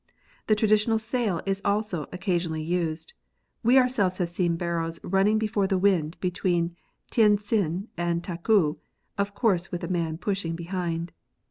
The traditional sail is also occa sionally used : we ourselves have seen barrows run ning before the wind between Tientsin and Taku, of course with a man pushing behind.